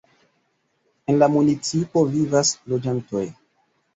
En la municipo vivas loĝantoj.